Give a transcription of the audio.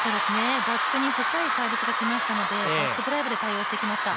バックに深いサービスが来ましたので、バックドライブで対応してきました。